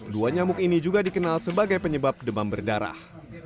dua nyamuk ini juga dikenal sebagai penyebab demam berdarah